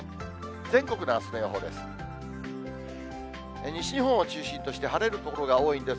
全国のあすの予報です。